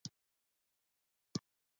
هېواد مو د مینې زانګو ده